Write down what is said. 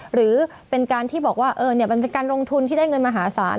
หรือเป็นการที่บอกว่ามันเป็นการลงทุนที่ได้เงินมหาศาล